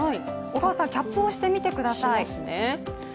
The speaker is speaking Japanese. キャップをしてみてください。